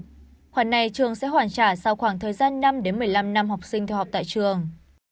khoản này trường sẽ hoàn trả sau khoảng thời gian năm một mươi năm năm học sinh theo học tại trường